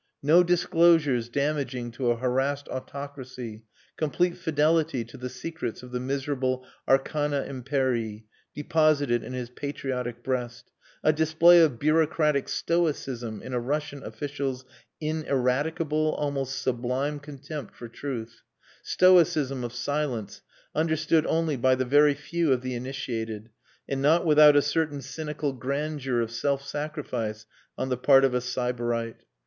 No disclosures damaging to a harassed autocracy, complete fidelity to the secrets of the miserable arcana imperii deposited in his patriotic breast, a display of bureaucratic stoicism in a Russian official's ineradicable, almost sublime contempt for truth; stoicism of silence understood only by the very few of the initiated, and not without a certain cynical grandeur of self sacrifice on the part of a sybarite.